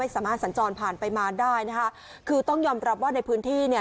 สามารถสัญจรผ่านไปมาได้นะคะคือต้องยอมรับว่าในพื้นที่เนี่ย